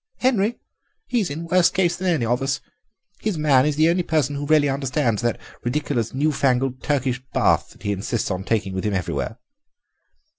"Henry? He's in worse case than any of us. His man is the only person who really understands that ridiculous new fangled Turkish bath that he insists on taking with him everywhere."